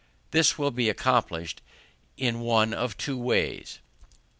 This will be accomplished in one of two ways.